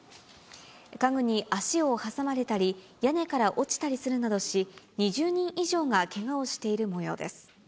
家具に足を挟まれたり、屋根から落ちたりするなどし、２０人以上がけがをしているもようです。